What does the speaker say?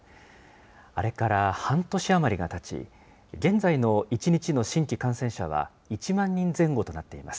あれから半年余りがたち、現在の１日の新規感染者は１万人前後となっています。